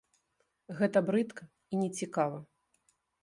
Гэта брыдка і нецікава.